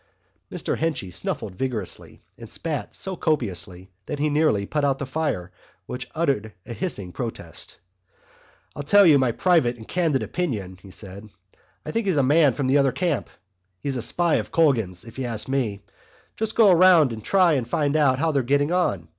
Mr Henchy snuffled vigorously and spat so copiously that he nearly put out the fire, which uttered a hissing protest. "To tell you my private and candid opinion," he said, "I think he's a man from the other camp. He's a spy of Colgan's, if you ask me. Just go round and try and find out how they're getting on.